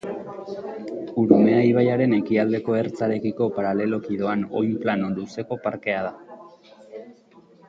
Urumea ibaiaren ekialdeko ertzarekiko paraleloki doan oinplano luzeko parkea da.